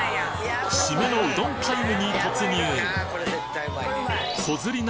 シメのうどんタイムに突入！